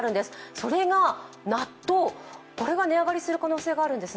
それが納豆、これが値上がりする可能性があるんです。